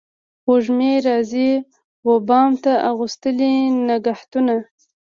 وږمې راځي و بام ته اغوستلي نګهتونه